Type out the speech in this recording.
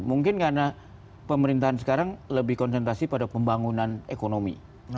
mungkin karena pemerintahan sekarang lebih konsentrasi pada pembangunan ekonomi